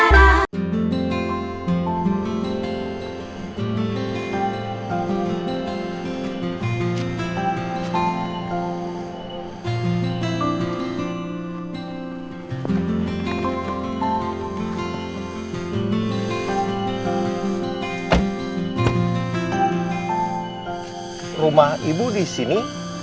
rumah ibu di sini